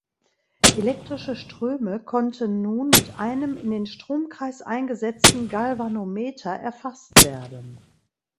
Elektrische Ströme konnten nun mit einem in den Stromkreis eingesetzten Galvanometer erfasst werden.